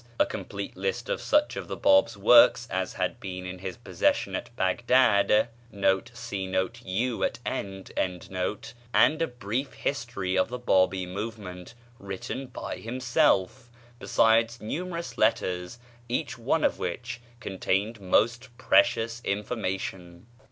a complete list of such of the Báb's works as had been in his own possession at Baghdad1, and a brief history of the Bábí movement written by himself, besides numerous letters, each one of which contained most precious information.